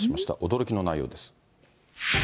驚きの内容です。